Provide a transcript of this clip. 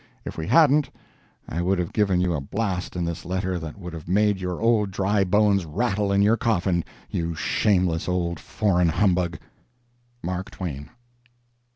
If we hadn't, I would have given you a blast in this letter that would have made your old dry bones rattle in your coffin—you shameless old foreign humbug! MARK TWAIN.